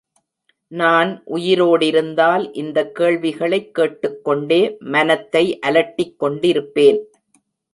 நான் உயிரோடிருந்தால், இந்தக் கேள்விகளைக் கேட்டுக் கொண்டே மனத்தை அலட்டிக் கொண்டிருப்பேன்.